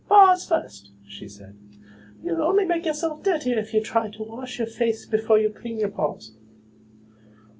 "Paws first," she said. "You'll only make yourself dirtier if you try to wash your face before you clean your paws."